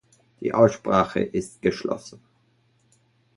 Die Aussprache ist geschlossen.